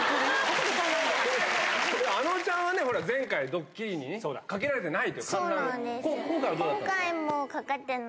あのちゃんはね、ほら、前回、ドッキリにね、かけられてない。